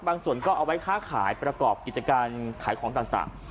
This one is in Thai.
ส่วนก็เอาไว้ค้าขายประกอบกิจการขายของต่าง